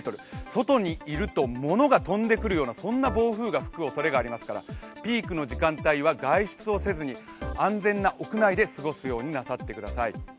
外にいるとものが飛んでくるような、そんな暴風の恐れがありますからピークの時間帯は外出をせずに安全な屋内で過ごすようになさってください。